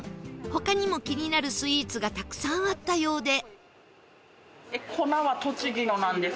他にも気になるスイーツがたくさんあったようで